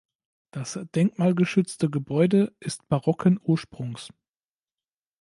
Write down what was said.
Das denkmalgeschützte Gebäude ist barocken Ursprungs.